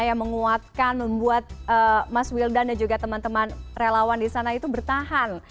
yang menguatkan membuat mas wildan dan juga teman teman relawan di sana itu bertahan